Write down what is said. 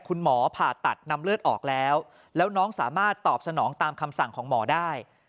คุณหมอผ่าตัดนำเลือดออกแล้วแล้วน้องสามารถตอบสนองตามคำสั่งของหมอได้